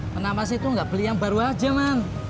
pernah masih tuh nggak beli yang baru aja man